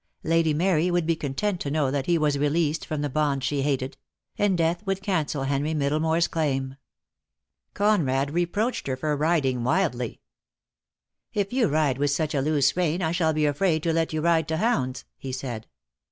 Lady Mary would be content to know that he was released from the bond she hated; and Death would cancel Henry Middlemore's claim. Conrad reproached her for riding wildly. 16* 244 DEAD LOVE HAS CHAINS. "If you ride with such a loose rein I shall be afraid to let you ride to hounds," he said.